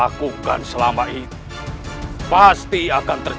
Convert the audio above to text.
aku akan mencari bunda